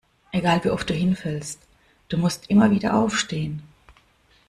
Egal wie oft du hinfällst, du musst immer wieder aufstehen.